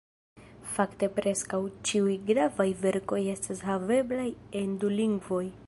Fakte preskaŭ ĉiuj gravaj verkoj estas haveblaj en du lingvoj.